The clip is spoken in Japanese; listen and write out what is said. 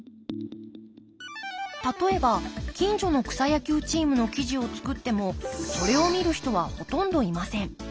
例えば近所の草野球チームの記事を作ってもそれを見る人はほとんどいません。